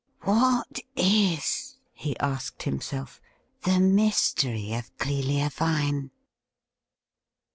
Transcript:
' What is,' he asked himself, ' the mystery of Clelia Vine